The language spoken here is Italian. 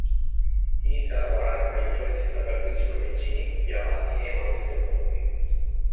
Inizia a lavorare come aiuto regista per Luigi Comencini, Pupi Avati e Maurizio Ponzi.